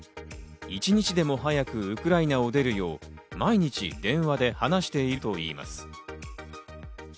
一日でも早くウクライナを出るよう毎日電話で話しているといいます。